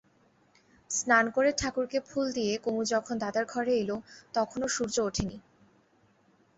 স্নান করে ঠাকুরকে ফুল দিয়ে কুমু যখন দাদার ঘরে এল তখনো সূর্য ওঠে নি।